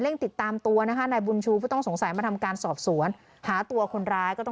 เร่งติดตามตัวนายบุญชูผู้ต้องสงสัยมาทำการสอบสวน